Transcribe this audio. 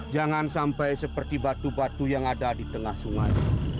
jangan sampai seperti batu batu yang ada di tengah sungai